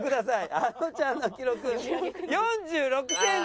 あのちゃんの記録４６センチ。